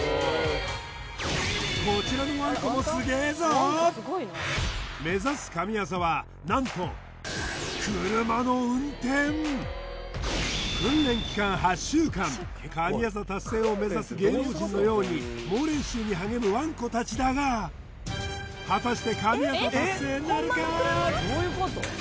こちらのワンコもすげえぞ目指す神業は何と神業達成を目指す芸能人のように猛練習に励むワンコ達だが果たして神業達成なるかー？